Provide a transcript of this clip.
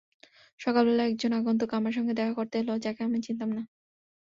সকালবেলা একজন আগন্তুক আমার সঙ্গে দেখা করতে এল, যাকে আমি চিনতাম না।